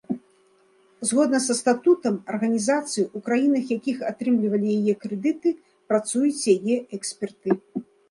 Згодна са статутам арганізацыі, у краінах, якія атрымлівалі яе крэдыты, працуюць яе эксперты.